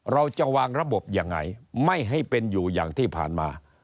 เราจะวางระบบยังไงไม่ให้เป็นอยู่อย่างที่ผ่านมา